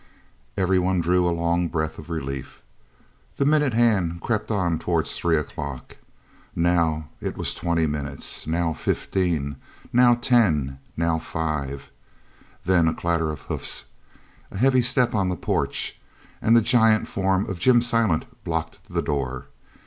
Everyone drew a long breath of relief. The minute hand crept on towards three o'clock. Now it was twenty minutes, now fifteen, now ten, now five; then a clatter of hoofs, a heavy step on the porch, and the giant form of Jim Silent blocked the door.